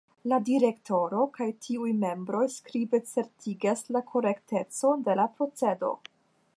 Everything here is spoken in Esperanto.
La Direktoro kaj tiuj membroj skribe certigas la korektecon de la procedo.